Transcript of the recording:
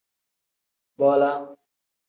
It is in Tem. Bola.